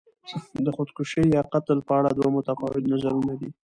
د خودکشي یا قتل په اړه دوه متفاوت نظرونه دي.